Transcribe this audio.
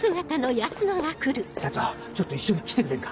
社長ちょっと一緒に来てくれんか？